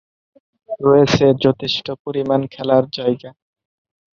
রয়েছে যথেষ্ট পরিমাণ খেলার যায়গা।